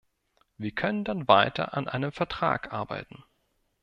Wir können dann weiter an einem Vertrag arbeiten.